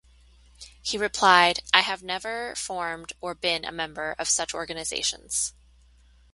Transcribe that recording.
He replied: I have never formed or been a member of such organisations.